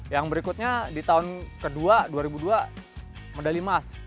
yang berikutnya di tahun kedua dua ribu dua medali emas